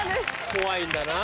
怖いんだなぁ。